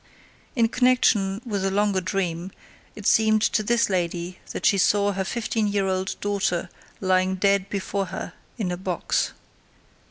In connection with a longer dream, it seemed to this lady that she saw her fifteen year old daughter lying dead before her in a box.